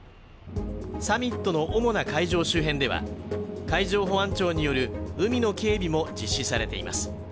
サミットの主な会場周辺では、海上保安庁による海の警備も実施されています。